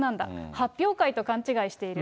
発表会と勘違いしている。